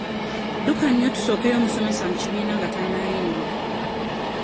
Dduka nnyo tusookeyo omusomesa mu kibiina nga tannayingira.